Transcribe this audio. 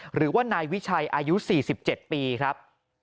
หรือว่านายวิชัยอายุ๔๗ปีครับ